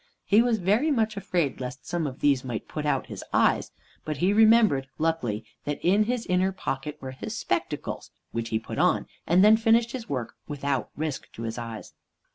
He was very much afraid lest some of these might put out his eyes; but he remembered, luckily, that in his inner pocket were his spectacles, which he put on, and then finished his work without risk to his eyes.